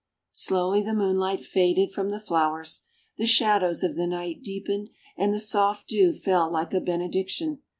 Slowly the moonlight faded from the flowers, the shadows of the night deepened and the soft dew fell like a benediction.